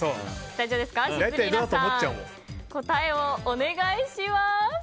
シズリーナさん答えをお願いします。